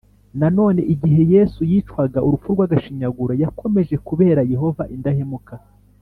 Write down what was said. Nanone igihe Yesu yicwaga urupfu rw agashinyaguro yakomeje kubera Yehova indahemuka